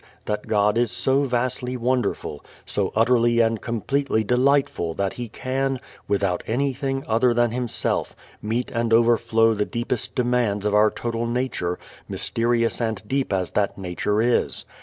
that God is so vastly wonderful, so utterly and completely delightful that He can, without anything other than Himself, meet and overflow the deepest demands of our total nature, mysterious and deep as that nature is.